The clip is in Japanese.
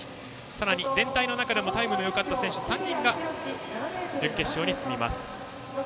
さらに全体の中でもタイムのよかった選手３人が準決勝に進みます。